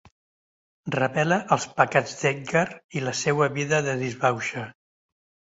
Revela els pecats d'Edgar i la seua vida de disbauxa.